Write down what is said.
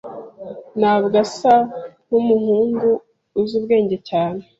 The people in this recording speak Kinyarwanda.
Ntabwo asa nkumuhungu uzi ubwenge cyane.